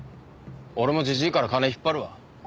俺もジジイから金引っ張るわ。